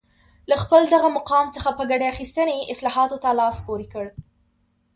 له خپل دغه مقام څخه په ګټې اخیستنې اصلاحاتو ته لاس پورې کړ